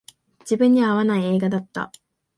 自分には合わない映画だった